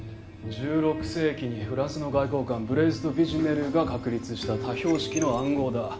１６世紀にフランスの外交官ブレーズ・ド・ヴィジュネルが確立した多表式の暗号だ。